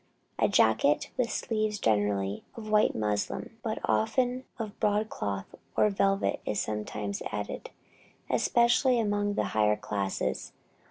A jacket, with sleeves generally of white muslin but often of broadcloth or velvet, is sometimes added, especially among the higher classes.